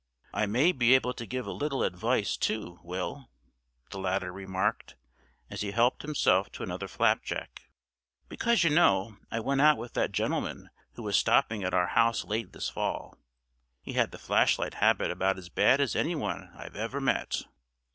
"I may be able to give a little advice, too, Will," the latter remarked, as he helped himself to another flapjack; "because, you know, I went out with that gentleman who was stopping at our house late this fall. He had the flashlight habit about as bad as any one I've ever met."